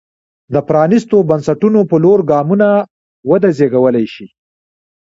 د پرانېستو بنسټونو په لور ګامونه وده زېږولی شي.